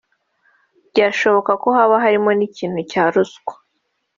byashoboka ko haba harimo n’ikintu cya ruswa